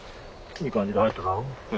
いい感じで入っただろう？